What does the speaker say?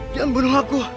jangan bunuh aku